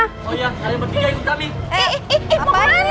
oh iya kalian bertiga ibu kami